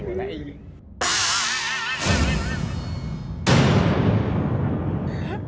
โอ้มันก็เกมมันก็เกม